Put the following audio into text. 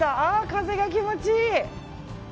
風が気持ちいい。